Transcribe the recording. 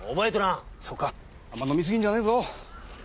そうかあんま飲みすぎんじゃねえぞ。